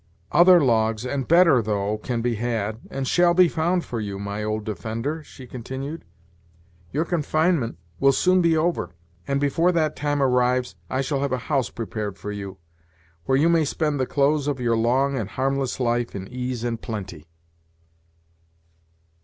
"Other logs, and better, though, can be had, and shall be found for you, my old defender," she continued. "Your confinement will soon be over, and, before that time arrives, I shall have a house prepared for you, where I you may spend the close of your long and harmless life in ease and plenty."